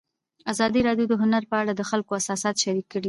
ازادي راډیو د هنر په اړه د خلکو احساسات شریک کړي.